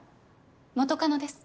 元カノです。